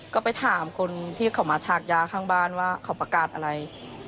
ก็ไปถามคนที่เขามาถากยาข้างบ้านว่าเขาประกาศอะไร